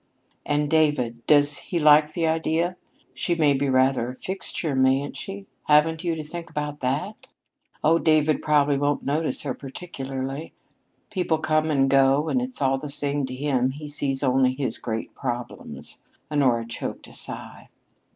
"And David does he like the idea? She may be rather a fixture, mayn't she? Haven't you to think about that?" "Oh, David probably won't notice her particularly. People come and go and it's all the same to him. He sees only his great problems." Honora choked a sigh.